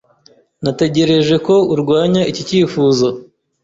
Natekereje ko urwanya iki cyifuzo.